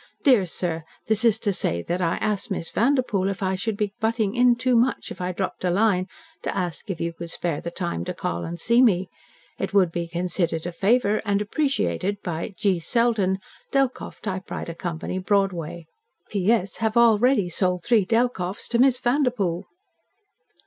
Dear Sir, this is to say that I asked Miss Vanderpoel if I should be butting in too much if I dropped a line to ask if you could spare the time to call and see me. It would be considered a favour and appreciated by "G. SELDEN, "Delkoff Typewriter Co. Broadway. "P. S. Have already sold three Delkoffs to Miss Vanderpoel."